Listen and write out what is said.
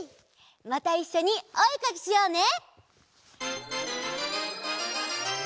またいっしょにおえかきしようね！